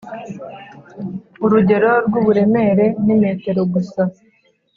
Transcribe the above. urugero rw uburemere nimetero gusa